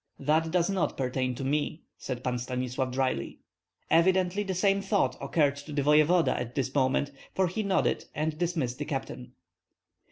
"That does not pertain to me," said Pan Stanislav, dryly. Evidently the same thought occurred to the voevoda at that moment, for he nodded and dismissed the captain.